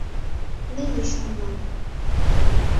Неле чонлан.